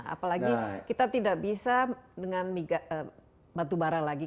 apalagi kita tidak bisa dengan batubara lagi